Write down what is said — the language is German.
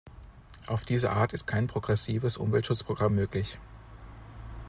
Auf diese Art ist kein progressives Umweltschutzprogramm möglich.